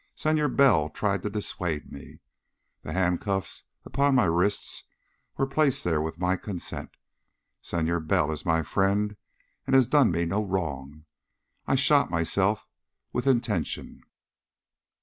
Senor Bell tried to dissuade me. The handcuffs upon my wrists were placed there with my consent. Senor Bell is my friend and has done me no wrong. I shot myself, with intention."